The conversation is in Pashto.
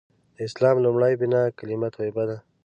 د اسلام لومړۍ بناء کلیمه طیبه ده.